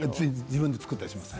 自分で作ったりします。